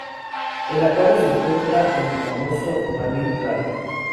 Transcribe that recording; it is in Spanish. El acuario se encuentra en el famoso "Marine Drive".